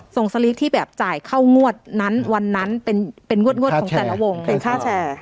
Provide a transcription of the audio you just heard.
สลิปที่แบบจ่ายเข้างวดนั้นวันนั้นเป็นงวดของแต่ละวงเป็นค่าแชร์